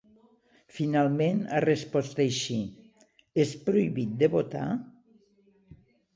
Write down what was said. Finalment ha respost així: És prohibit de votar?